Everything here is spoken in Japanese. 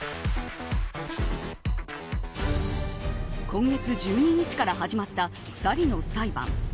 今月１２日から始まった２人の裁判。